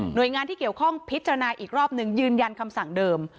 โดยงานที่เกี่ยวข้องพิจารณาอีกรอบหนึ่งยืนยันคำสั่งเดิม